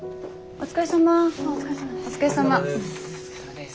お疲れさまです。